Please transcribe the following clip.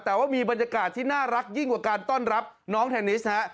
แต่ว่ามีบรรยากาศที่น่ารักยิ่งกว่าการต้อนรับน้องเทนนิสนะฮะ